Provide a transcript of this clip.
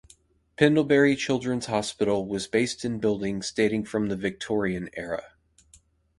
Pendlebury Children's Hospital was based in buildings dating from the Victorian era.